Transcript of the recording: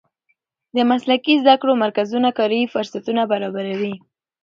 د مسلکي زده کړو مرکزونه کاري فرصتونه برابروي.